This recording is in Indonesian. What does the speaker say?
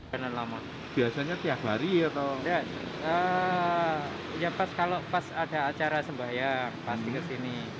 biasanya tiap hari ya pas ada acara sembahyang pasti kesini